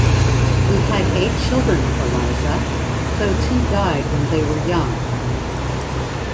He had eight children with Eliza, though two died when they were young.